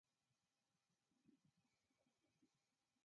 په سرونو یې اوسپنیزې خولۍ او په لاسونو کې یې نیزې وې.